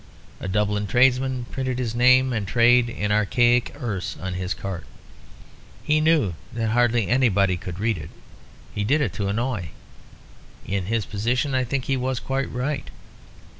A Dublin tradesman printed his name and trade in archaic Erse on his cart. He knew that hardly anybody could read it; he did it to annoy. In his position I think he was quite right.